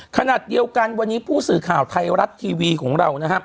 ขณะเดียวกันวันนี้ผู้สื่อข่าวไทยรัฐทีวีของเรานะครับ